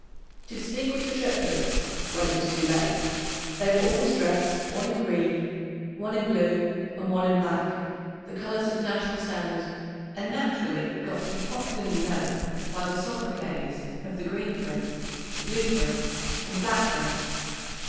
To distinguish the triplets (when it was too late) they were always dressed one in green, one in blue, and one in black, the colours of the national standard, and naturally got to be popularly known by the sobriquets of the Green Prince, the Blue Prince, and the Black Prince.